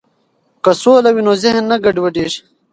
که سوله وي نو ذهن نه ګډوډیږي.